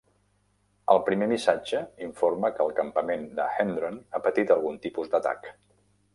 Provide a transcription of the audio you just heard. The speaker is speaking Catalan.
El primer missatge informa que el campament de Hendron ha patit algun tipus d'atac.